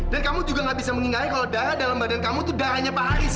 dan kamu juga gak bisa mengingatnya kalau darah dalam badan kamu tuh darahnya pak ais